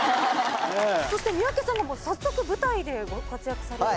そして三宅さんも早速舞台でご活躍される。